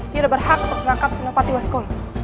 tidak berhak untuk menangkap senopati waskolo